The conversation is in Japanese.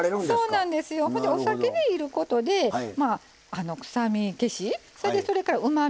それでお酒でいることでまあ臭み消しそれでそれからうまみ足し